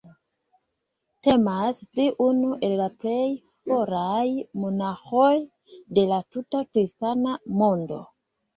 Temas pri unu el la plej foraj monaĥoj de la tuta kristana mondo.